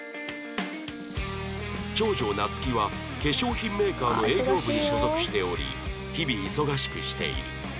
長女夏希は化粧品メーカーの営業部に所属しており日々忙しくしている